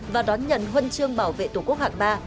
và đón nhận huân chương bảo vệ tổ quốc hạng ba